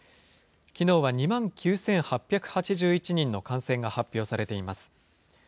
きのうは２万９８８１人の感染が発表されています。